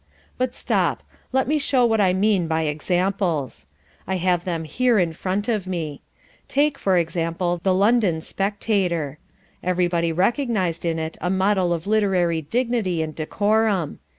But stop, let me show what I mean by examples. I have them here in front of me. Take, for example, the London Spectator. Everybody recognised in it a model of literary dignity and decorum.